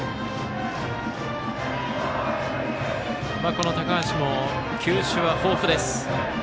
この高橋も球種は豊富です。